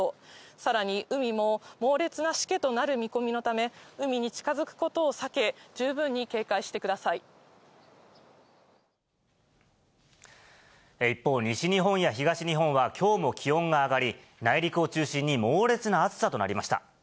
さらに、海も猛烈なしけとなる見込みのため、海に近づくことを避け、一方、西日本や東日本は、きょうも気温が上がり、内陸を中心に、猛烈な暑さとなりました。